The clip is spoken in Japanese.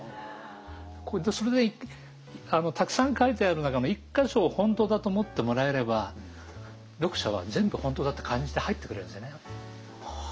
それでたくさん描いてある中の１か所を本当だと思ってもらえれば読者は全部本当だって感じて入ってくれるんですよね。